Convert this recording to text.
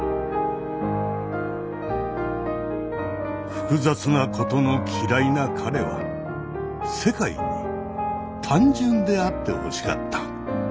複雑なことの嫌いな彼は世界に単純であってほしかった。